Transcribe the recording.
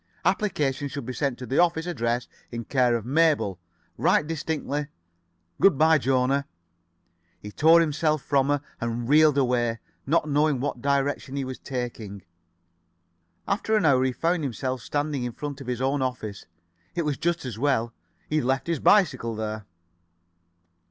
Applications should be sent to the office address in care of Mabel. Write distinctly. Good by, Jona." He tore himself from her, and reeled away, not knowing what direction he was taking. After an hour he found himself standing in front [Pg 65]of his own office. It was just as well. He had left his bicycle there.